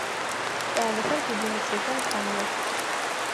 Кӏалэхэр библиотекэм кӏуагъэх.